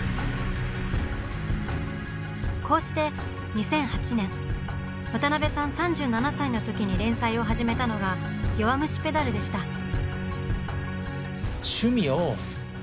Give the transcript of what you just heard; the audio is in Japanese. こうして２００８年渡辺さん３７歳の時に連載を始めたのが「弱虫ペダル」でした。